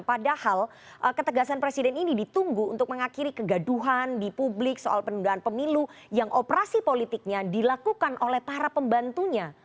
padahal ketegasan presiden ini ditunggu untuk mengakhiri kegaduhan di publik soal penundaan pemilu yang operasi politiknya dilakukan oleh para pembantunya